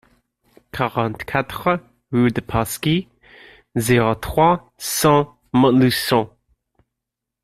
quarante-quatre rue de Pasquis, zéro trois, cent Montluçon